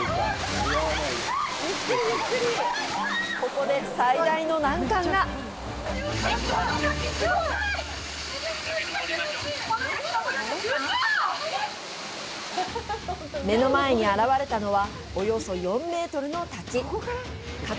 ここで最大の難関が目の前に現れたのはおよそ４メートルの滝勝俣